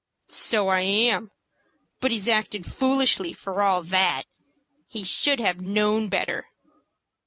"So I am; but he's acted foolishly for all that. He should have known better."